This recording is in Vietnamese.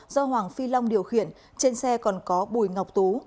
do hoàng phi long điều khiển trên xe còn có bùi ngọc tú